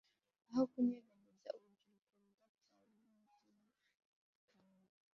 Aho kunyeganyeza urubyiruko rudapfa rwumutimakana